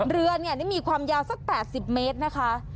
เรือนี่มีความยาวสัก๘๐เมตรนะคะ